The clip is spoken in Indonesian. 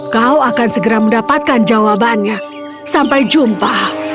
kau akan segera mendapatkan jawabannya sampai jumpa